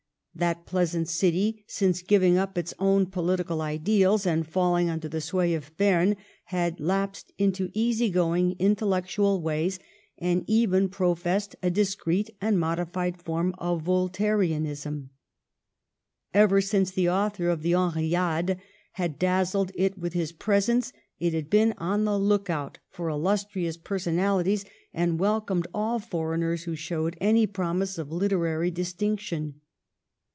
That pleasant city, since giving up its own political ideals and falling under the sway of Berne, had lapsed into easy going, intellectual ways, and even professed a dis creet and modified form of Voltairianism. Ever since the author of the " Henriade " had dazzled it with his presence, it had been on the look out for illustrious personalities, and welcomed all for eigners who showed any promise of literary dis tinction.